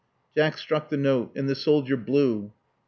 Jack struck the note; and the soldier blew.